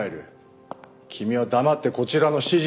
君は黙ってこちらの指示に。